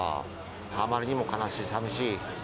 あまりにも悲しい、さみしい。